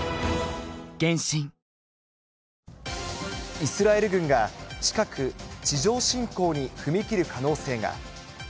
イスラエル軍が、近く地上侵攻に踏み切る可能性が。